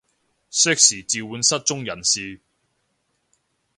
適時召喚失蹤人士